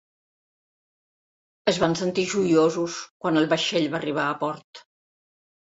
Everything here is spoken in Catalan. Es van sentir joiosos quan el vaixell va arribar a port.